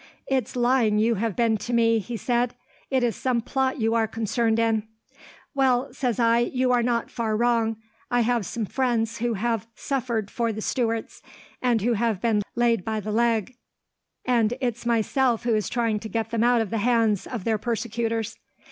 "'It's lying you have been to me,' he said. 'It is some plot you are concerned in.' "'Well,' says I, 'you are not far wrong. I have some friends who have suffered for the Stuarts, and who have been laid by the leg, and it's myself who is trying to get them out of the hands of their persecutors.'